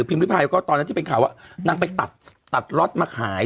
พิมพิพายตอนที่เป็นข่าวนางไปตัดรสมาขาย